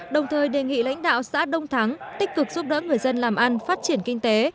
đồng thời đề nghị lãnh đạo xã đông thắng tích cực giúp đỡ người dân làm ăn phát triển kinh tế